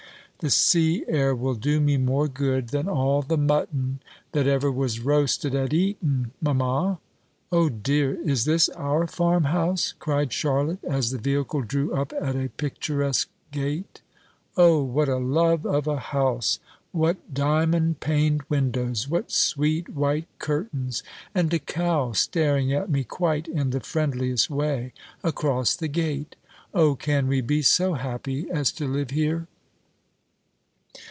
"The sea air will do me more good than all the mutton that ever was roasted at Eton, mamma. O, dear, is this our farmhouse?" cried Charlotte, as the vehicle drew up at a picturesque gate. "O, what a love of a house! what diamond paned windows! what sweet white curtains! and a cow staring at me quite in the friendliest way across the gate! O, can we be so happy as to live here?"